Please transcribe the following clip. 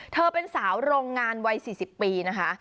เธอเป็นสาวโรงงานวัย๔๐ปีนะคะ